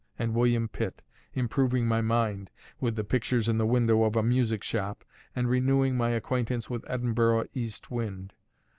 and William Pitt, improving my mind with the pictures in the window of a music shop, and renewing my acquaintance with Edinburgh east wind.